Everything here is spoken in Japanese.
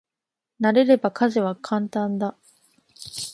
慣れれば家事は簡単だ。